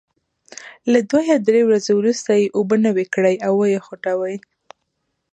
له دوه یا درې ورځو وروسته یې اوبه نوي کړئ او وې خوټوئ.